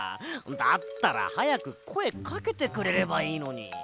だったらはやくこえかけてくれればいいのに。